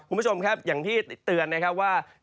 คุณผู้ชมครับอย่างที่เตือนนะครับว่า